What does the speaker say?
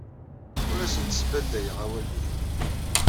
Ur asen-d-sbadayeɣ awalen-nni.